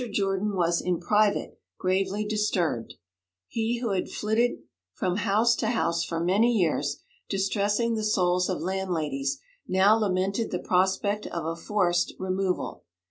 Jordan was, in private, gravely disturbed. He who had flitted from house to house for many years, distressing the souls of landladies, now lamented the prospect of a forced removal.